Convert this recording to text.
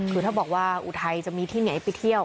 คือถ้าบอกว่าอุทัยจะมีที่ไหนไปเที่ยว